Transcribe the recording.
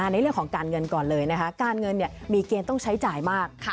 ในเรื่องของการเงินก่อนเลยนะคะการเงินมีเกณฑ์ต้องใช้จ่ายมาก